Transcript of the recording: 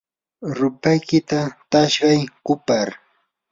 rupaykita taqshay kupar.